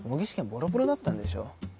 ボロボロだったんでしょ？